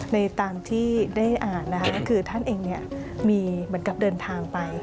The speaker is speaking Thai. ตามที่ได้อ่านนะคะก็คือท่านเองมีเหมือนกับเดินทางไป